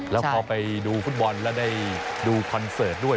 แล้วพอไปดูฟุตบอลแล้วได้ดูคอนเสิร์ตด้วย